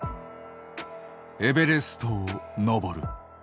エベレストを登る。